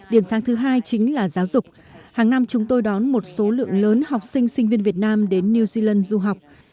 điểm sáng thứ hai chính là giáo dục hàng năm chúng tôi đón một số lượng lớn học sinh sinh viên việt nam đến new zealand du học